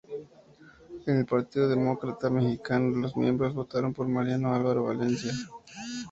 En el Partido Demócrata Mexicano los miembros votaron por Mariano Alvaro Valencia.